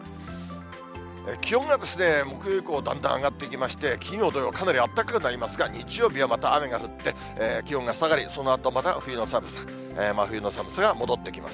気温が木曜以降、だんだん上がっていきまして、金曜、土曜、かなりあったかくなりますが、日曜日はまた雨が降って、気温が下がり、そのあとまた冬の寒さ、真冬の寒さが戻ってきます。